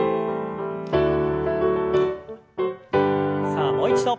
さあもう一度。